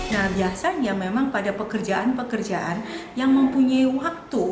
nah biasanya memang pada pekerjaan pekerjaan yang mempunyai waktu